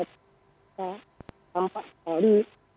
kita tampak sekali